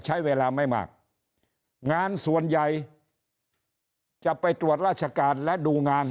ใช้เวลาไม่มากงานส่วนใหญ่จะไปตรวจราชการและดูงาน